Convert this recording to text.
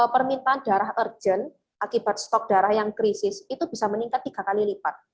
permintaan darah urgent akibat stok darah yang krisis itu bisa meningkat tiga kali lipat